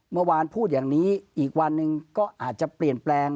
เมื่อวานพูดอย่างนี้อีกวันหนึ่งก็อาจจะเปลี่ยนแปลง